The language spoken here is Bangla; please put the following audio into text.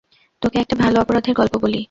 তোকে একটা ভালো অপরাধের গল্প বলি?